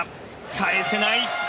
返せない。